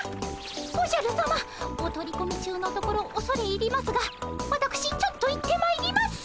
おじゃるさまお取り込み中のところおそれ入りますがわたくしちょっと行ってまいります。